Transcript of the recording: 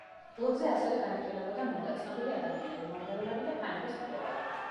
ბლოგზე ასევე განიხილებოდა მოდა, ცნობილი ადამიანები, მომღერლები და ფანების ვიდეოები.